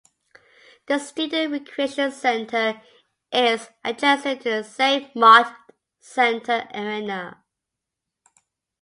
The Student Recreation Center is adjacent to the Save Mart Center arena.